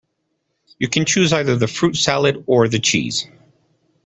You can choose either the fruit salad or the cheese